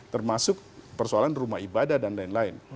termasuk persoalan rumah ibadah dan lain lain